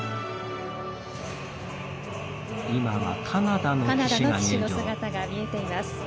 カナダの旗手の姿が見えています。